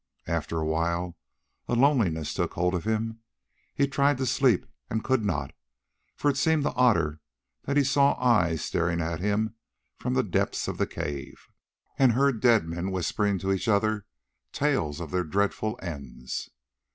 After a while loneliness took hold of him; he tried to sleep and could not, for it seemed to Otter that he saw eyes staring at him from the depths of the cave, and heard dead men whispering to each other tales of their dreadful ends.